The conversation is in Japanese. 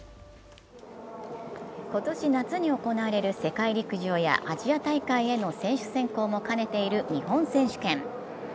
今年夏に行われる世界陸上やアジア大会への選手選考も兼ねている日本選手権。